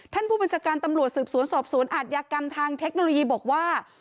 ท่านผู้บัญชาการตำรวจสืบสวนสอบสวนอาทยากรรมทางเทคโนโลยีบอกว่า